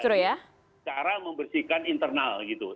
karena ini adalah cara membersihkan internal gitu